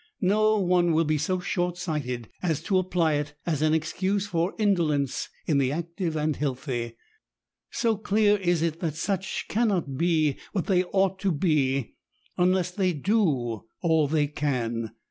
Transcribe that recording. No one will be so short sighted as to apply it as an excuse for indolence in the active and healthy, — so clear is it that such cannot be what they ought to be, unless they do all they can.